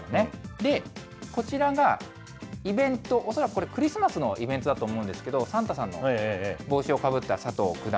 で、こちらがイベント、恐らくこれ、クリスマスのイベントだと思うんですけれども、サンタさんの帽子をかぶった佐藤九段。